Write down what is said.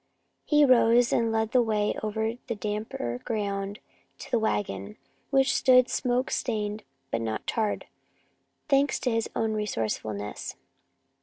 He rose and led the way over the damper ground to the wagon, which stood smoke stained but not charred, thanks to his own resourcefulness.